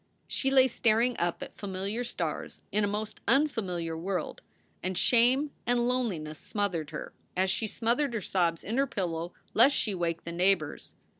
She lay staring up at familiar stars in a most unfamiliar world, and shame and loneliness smothered her, as she smothered her sobs in her pillow lest she wake the neighbors.